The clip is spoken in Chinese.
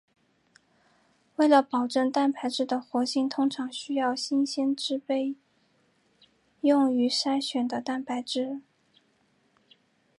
为了保证蛋白质的活性通常需要新鲜制备用于筛选的蛋白质。